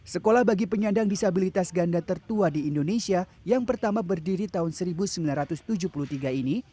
sekolah bagi penyandang disabilitas ganda tertua di indonesia yang pertama berdiri tahun seribu sembilan ratus tujuh puluh tiga ini